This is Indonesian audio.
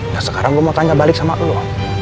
nah sekarang gue mau tanya balik sama lo